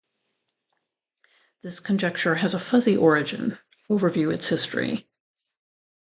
This conjecture has a fuzzy origin; overview its history.